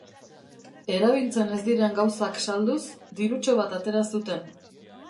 Erabiltzen ez diren gauzak salduz, dirutxo bat atera zuten.